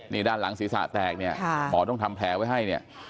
นี่ด้านหลังศีรษะแตกเนี่ยหมอต้องทำแผลไว้ให้เนี่ย